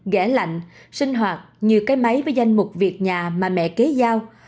ghẽ lạnh sinh hoạt như cái máy với danh mục việt nhà mà mẹ kế giao